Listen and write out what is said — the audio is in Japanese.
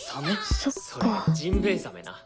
そっかそれジンベエザメな。